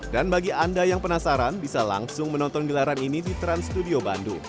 dan bagi anda yang penasaran bisa langsung menonton gelaran ini di trans studio bandung